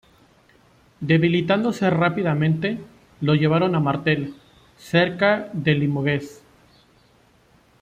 Debilitándose rápidamente, lo llevaron a Martel, cerca de Limoges.